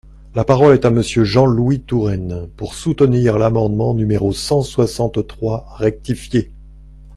La parole est à Monsieur Jean-Louis Touraine, pour soutenir l’amendement numéro cent soixante-trois rectifié.